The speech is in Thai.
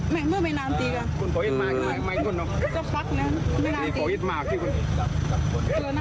เมื่อเมย์นานตีกัน